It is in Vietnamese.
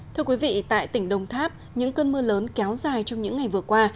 thưa quý vị tại tỉnh đồng tháp những cơn mưa lớn kéo dài trong những ngày vừa qua